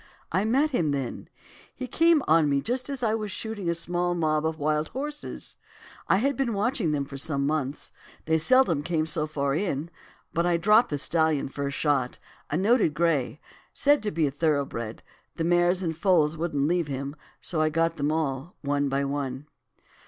'I met him then; he came on me just as I was shooting a small mob of wild horses. I had been watching for them for months. They seldom came so far in; but I dropped the stallion first shot, a noted grey, said to be thoroughbred; the mares and foals wouldn't leave him, so I got them all, one by one.